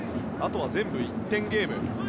あとは全部１点ゲーム。